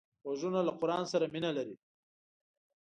غوږونه له قرآن سره مینه لري